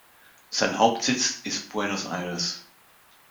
Sein Hauptsitz ist Buenos Aires.